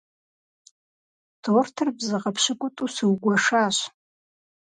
Тортыр бзыгъэ пщыкӏутӏу сыугуэшащ.